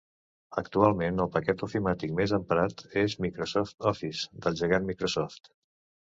Actualment el paquet ofimàtic més emprat és Microsoft Office, del gegant Microsoft.